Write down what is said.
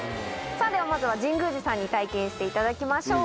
ではまずは神宮寺さんに体験していただきましょう。